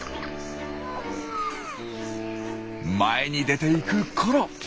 前に出ていくコロ。